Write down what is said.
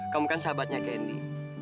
kamu kan sahabatnya candy